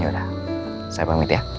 yaudah saya pamit ya